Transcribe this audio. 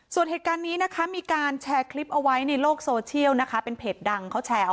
ส่วนเหตุการณ์นี้มีการแชร์คลิปว่ายโลกโซเชียลเป็นเพจดัง